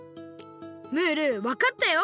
ムールわかったよ！